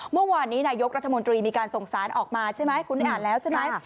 เมื่อวานนี้นายกรัฐมนตรีมีการส่งสารออกมาใช่ไหมคุณได้อ่านแล้วใช่ไหม